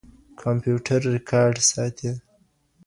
کمپيوټر ريکارډ ساتي.